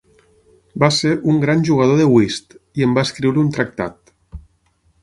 Va ser un gran jugador de "whist" i en va escriure un tractat.